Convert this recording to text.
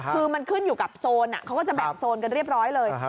คือมันขึ้นอยู่กับโซนเขาก็จะแบ่งโซนกันเรียบร้อยเลย